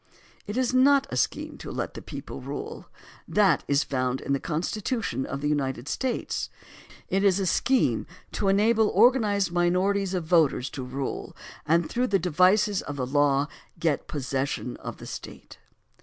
It is not a scheme to let the people rule ; that is found in the Constitution of the United States. It is a scheme to enable organ ized minorities of voters to rule and through the de vices of the law get possession of the State.